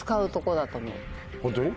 ホントに？